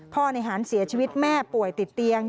ในหารเสียชีวิตแม่ป่วยติดเตียง